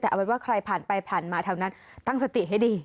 แต่เอาเป็นว่าใครผ่านไปผ่านมาแถวนั้นตั้งสติให้ดี